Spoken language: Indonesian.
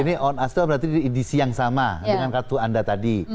ini on us itu berarti edc yang sama dengan kartu anda tadi